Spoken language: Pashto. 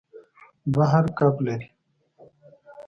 بحر کب لري.